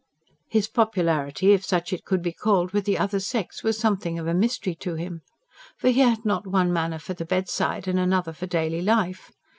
His popularity if such it could be called with the other sex was something of a mystery to him. For he had not one manner for the bedside and another for daily life.